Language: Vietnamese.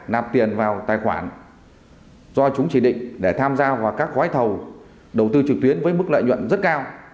nạp tiền vào tài khoản do chúng chỉ định để tham gia vào các gói thầu đầu tư trực tuyến với mức lợi nhuận rất cao